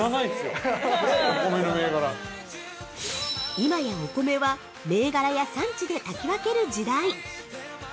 ◆今やお米は銘柄や産地で炊き分ける時代。